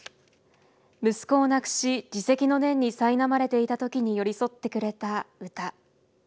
息子を亡くし自責の念にさいなまれていた時に寄り添ってくれたウタ。